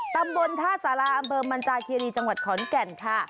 ตำบลธาตุศาลาอำเบิร์มมันจาเครีจังหวัดขอนแก่นค่ะ